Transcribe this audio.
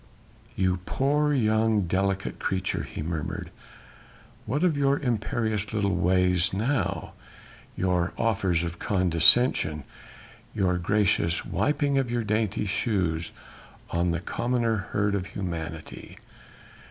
"You poor, young, delicate creature!" he murmured, "what of your imperious little ways now? your offers of condescension, your gracious wiping of your dainty shoes on the commoner herd of humanity?